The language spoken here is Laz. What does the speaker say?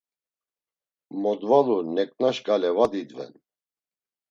Modvalu nek̆naş gale va didven.